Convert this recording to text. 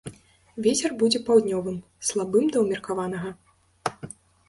Вецер будзе паўднёвым, слабым да ўмеркаванага.